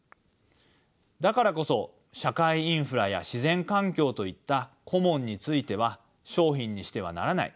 だからこそ社会インフラや自然環境といったコモンについては商品にしてはならない。